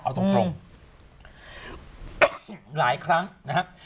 เอาตรงหลายครั้งนะครับ